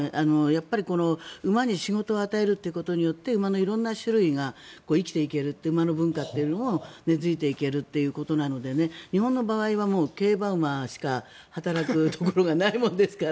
馬に仕事を与えることで馬の色んな種類が生きていけるって馬の文化というのが根付いていけるということなので日本の場合は競馬馬しか働くところがないものですから